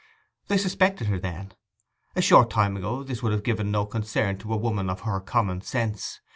They suspected her, then. A short time ago this would have given no concern to a woman of her common sense.